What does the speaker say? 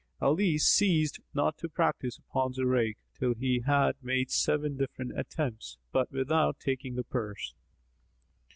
Ali ceased not to practice upon Zurayk till he had made seven different attempts but without taking the purse.